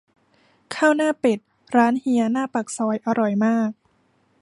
ข้าวหน้าเป็ด ร้านเฮียหน้าปากซอย อร่อยมาก